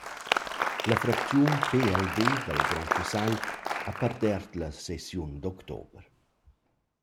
La fracziun pld dal grandcussagl ha pardert la sessiun d’october.